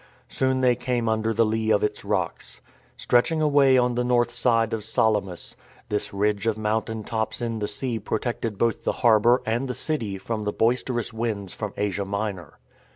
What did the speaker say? Soon they came under the lee of its rocks. Stretching away on the north side of Salamis, this ridge of mountain tops in the sea protected both the harbour and the city from the boisterous winds from Asia Minor.